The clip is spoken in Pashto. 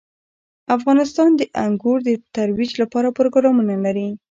افغانستان د انګور د ترویج لپاره پروګرامونه لري.